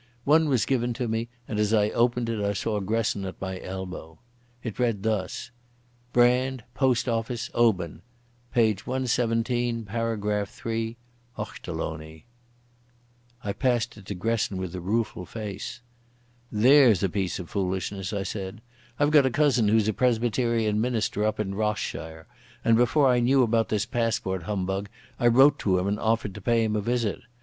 One was given to me, and as I opened it I saw Gresson at my elbow. It ran thus: Brand, Post office, Oban. Page 117, paragraph 3. Ochterlony. I passed it to Gresson with a rueful face. "There's a piece of foolishness," I said. "I've got a cousin who's a Presbyterian minister up in Ross shire, and before I knew about this passport humbug I wrote to him and offered to pay him a visit.